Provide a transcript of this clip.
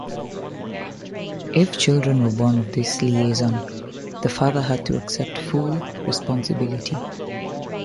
If children were born of this liaison, the father had to accept full responsibility.